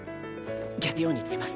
月曜に告げます。